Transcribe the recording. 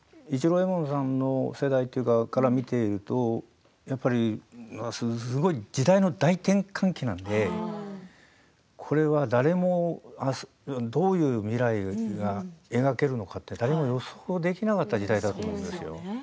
右衛門さんの世代から見ているとやっぱりすごい時代の大転換期なんで誰もどういう未来を描けるのか誰も予想できなかった時代だと思うんですよ。